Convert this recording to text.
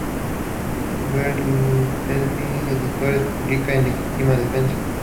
Bartleby Editores publica "En legítima defensa.